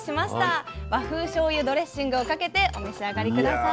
和風しょうゆドレッシングをかけてお召し上がり下さい。